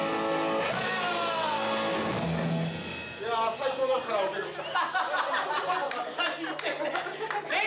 最高なカラオケでした。